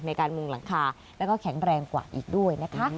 ในการมุงหลังคาแล้วก็แข็งแรงกว่าอีกด้วยนะคะ